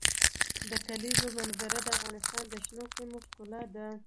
د کلیزو منظره د افغانستان د شنو سیمو ښکلا ده.